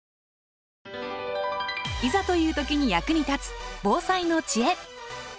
いざという時に役に立つ防災の知恵。